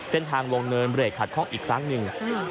เส้นทางลงเนินเบรกขัดข้องอีกครั้งหนึ่ง